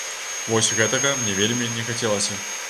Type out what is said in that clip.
Вось гэтага мне вельмі не хацелася.